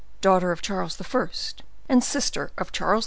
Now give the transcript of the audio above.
daughter of Charles I., and sister of Charles II.